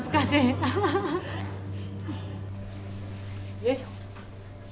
よいしょ。